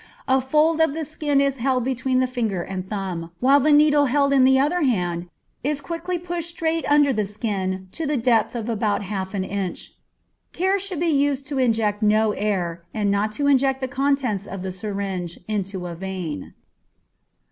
A fold of the skin is held between the finger and thumb, while the needle held in the other hand is quickly pushed straight under the skin to the depth of about half an inch. Care should be used to inject no air, and not to inject the contents of the syringe, into a vein.